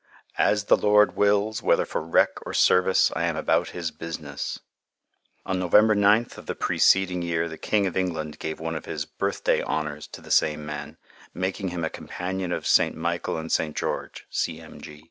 "As the Lord wills, whether for wreck or service, I am about His business." On November 9th of the preceding year, the King of England gave one of his "Birthday Honors" to the same man, making him a Companion of St. Michael and St. George (C.M.